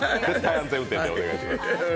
安全運転でお願いします。